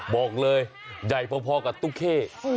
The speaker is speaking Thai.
บอกเลยใหญ่พอกับตุ๊กเข้